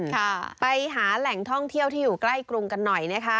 ค่ะไปหาแหล่งท่องเที่ยวที่อยู่ใกล้กรุงกันหน่อยนะคะ